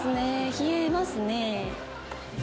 冷えますね。